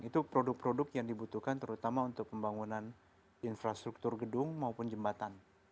itu produk produk yang dibutuhkan terutama untuk pembangunan infrastruktur gedung maupun jembatan